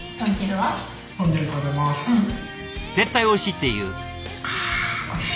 絶対「おいしい」って言う。